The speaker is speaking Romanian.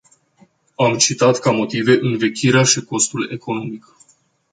Am citat ca motive învechirea și costul economic.